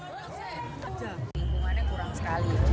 lingkungannya kurang sekali